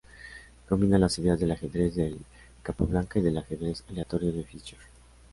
Combina las ideas del Ajedrez de Capablanca y del Ajedrez Aleatorio de Fischer.